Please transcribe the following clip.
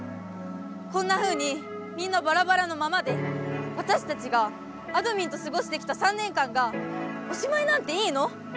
こんなふうにみんなバラバラのままでわたしたちがあどミンとすごしてきた３年間がおしまいなんていいの？